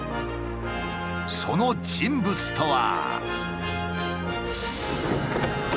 その人物とは。